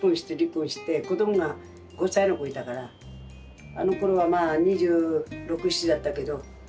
子どもが５歳の子いたからあのころはまあ２６２７だったけど。